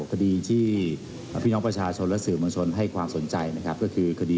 พี่น้องประชาชนสือมวัญชนให้ความสนใจผมควรสมันชาติ